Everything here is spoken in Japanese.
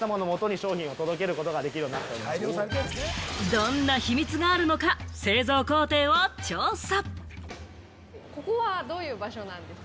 どんな秘密があるのか、製造工程を調査。